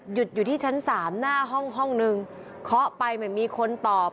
หยุดอยู่ที่ชั้น๓หน้าห้องนึงเค้าไปเหมือนมีคนตอบ